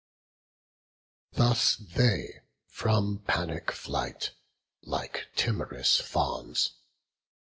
BOOK XXII. Thus they from panic flight, like timorous fawns.